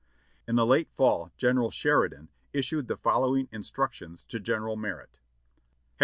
In the late fall General Sheridan issued the following instructions to General Merritt : "Hd.